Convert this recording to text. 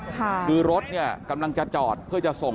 คือรถเนี่ยกำลังจะจอดเพื่อจะส่ง